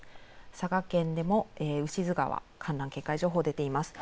佐賀県にも牛津川、氾濫警戒情報が出ています。